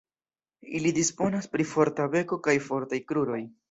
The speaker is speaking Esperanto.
Ili disponas pri forta beko kaj fortaj kruroj.